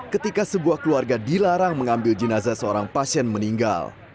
ketika sebuah keluarga dilarang mengambil jenazah seorang pasien meninggal